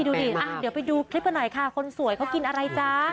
ดูดิเดี๋ยวไปดูคลิปกันหน่อยค่ะคนสวยเขากินอะไรจ๊ะ